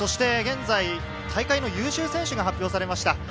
現在、大会の優秀選手が発表されました。